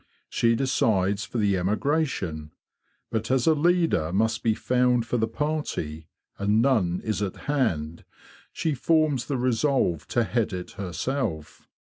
She decides for the emigration; but as a leader must be found for the party, and none is at hand, she forms the resolve to head it herself.